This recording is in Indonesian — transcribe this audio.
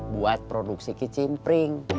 buat produksi kicimpring